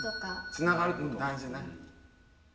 つながるうん大事ね。